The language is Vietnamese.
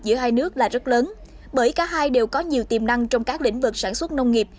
giữa hai nước là rất lớn bởi cả hai đều có nhiều tiềm năng trong các lĩnh vực sản xuất nông nghiệp